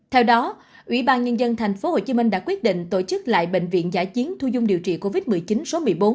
theo đó ubnd tp hcm đã quyết định tổ chức lại bệnh viện giải chiến thu dung điều trị covid một mươi chín số một mươi bốn